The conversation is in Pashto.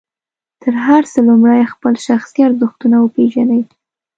تر هر څه لومړی خپل شخصي ارزښتونه وپېژنئ.